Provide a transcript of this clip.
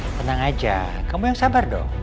tenang aja kamu yang sabar dong